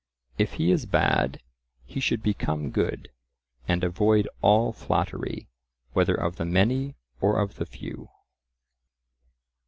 If he is bad, he should become good, and avoid all flattery, whether of the many or of the few.